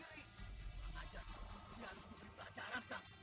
saya mengajak ini harus diberi pelajaran kang